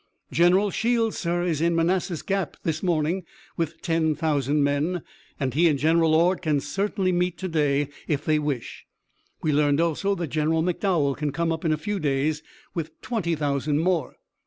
"General Shields, sir, is in Manassas Gap this morning with ten thousand men, and he and General Ord can certainly meet to day if they wish. We learned also that General McDowell can come up in a few days with twenty thousand more."